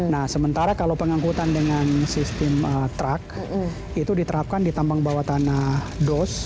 nah sementara kalau pengangkutan dengan sistem truck itu diterapkan di tambang bawah tanah dos